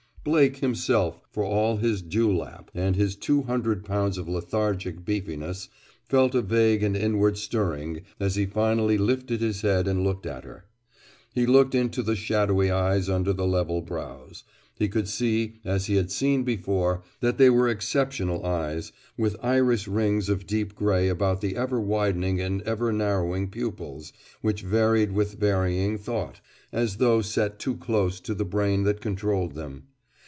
Blake himself, for all his dewlap and his two hundred pounds of lethargic beefiness, felt a vague and inward stirring as he finally lifted his head and looked at her. He looked into the shadowy eyes under the level brows. He could see, as he had seen before, that they were exceptional eyes, with iris rings of deep gray about the ever widening and ever narrowing pupils which varied with varying thought, as though set too close to the brain that controlled them.